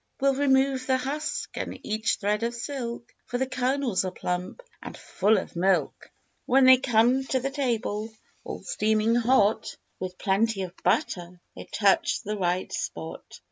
We'll remove the husk and each thread of silk, For the kernels are plump and full of milk, When they come to the table all steaming hot, With plenty of butter they touch the right spot.